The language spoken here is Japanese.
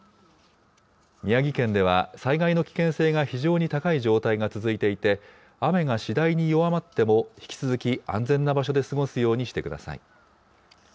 宮城県では災害の危険性が非常に高い状態が続いていて、雨が次第に弱まっても、引き続き安全な場所で過ごすようにしてください。